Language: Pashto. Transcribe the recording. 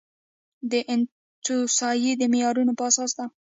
د انتوسای د معیارونو په اساس ده.